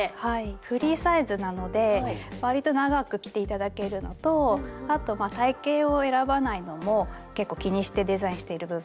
フリーサイズなのでわりと長く着て頂けるのとあと体型を選ばないのも結構気にしてデザインしている部分です。